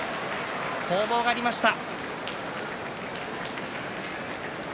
攻防がありました。